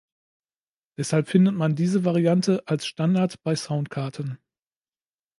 Deshalb findet man diese Variante als Standard bei Soundkarten.